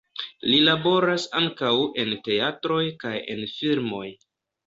Li laboras ankaŭ en teatroj kaj en filmoj.